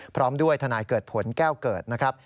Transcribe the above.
พร้อมด้วยทนายเกิดผลแก้วเกิดนะครับ